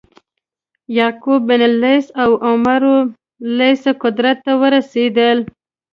یعقوب بن لیث او عمرو لیث قدرت ته ورسېدل.